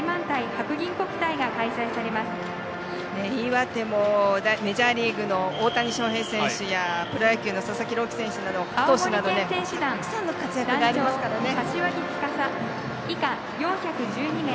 岩手もメジャーリーグの大谷翔平選手やプロ野球の佐々木朗希投手などたくさんの活躍がありますからね。